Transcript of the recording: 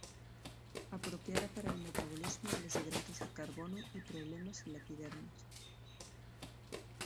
Apropiada para el metabolismo de los hidratos de carbono y problemas en la epidermis.